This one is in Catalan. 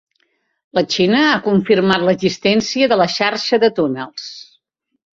La Xina ha confirmat l'existència de la xarxa de túnels.